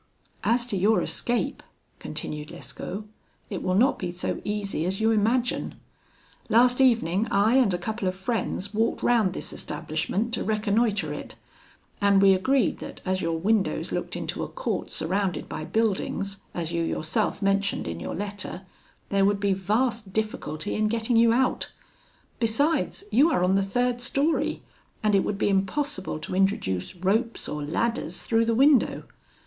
"'As to your escape,' continued Lescaut, 'it will not be so easy as you imagine. Last evening, I and a couple of friends walked round this establishment to reconnoitre it; and we agreed that, as your windows looked into a court surrounded by buildings, as you yourself mentioned in your letter, there would be vast difficulty in getting you out. Besides, you are on the third story, and it would be impossible to introduce ropes or ladders through the window.